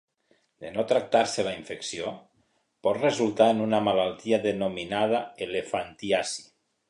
De no tractar-se la infecció, pot resultar en una malaltia denominada elefantiasi.